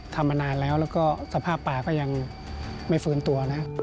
ทำมานานแล้วสภาพป่าก็ยังไม่ฝืนตัว